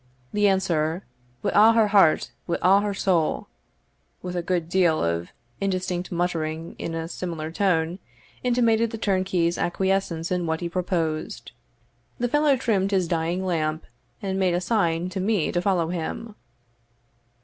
The answer, "Wi' a' her heart wi' a' her soul," with a good deal of indistinct muttering in a similar tone, intimated the turnkey's acquiescence in what he proposed. The fellow trimmed his dying lamp, and made a sign to me to follow him.